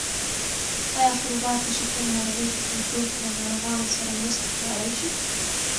ایا حبوبات د شکرې ناروغۍ په کنټرول کې له ناروغانو سره مرسته کولای شي؟